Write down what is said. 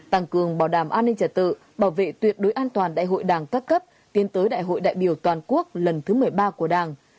tăng cường bảo đảm an ninh trả tự bảo vệ tuyệt đối an toàn đại hội đảng các cấp tiến tới đại hội đại biểu toàn quốc lần thứ một mươi ba của đảng